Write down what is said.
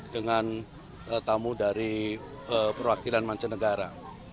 dengan tamu dari perwakilan mancanegara